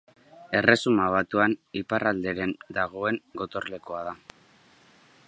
Erresuma Batuan iparralderen dagoen gotorlekua da.